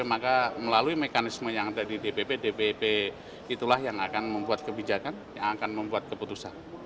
maka melalui mekanisme yang ada di dpp dpp itulah yang akan membuat kebijakan yang akan membuat keputusan